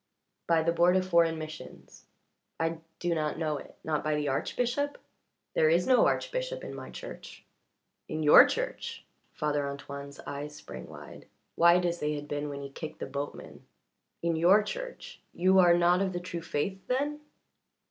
"By the board of foreign missions." "I do not know it. Not by the archbishop?" "There is no archbishop in my Church." "In your Church?" Father Antoine's eyes sprang wide wide as they had been when he kicked the boatman. "In your Church? You are not of the true faith, then?"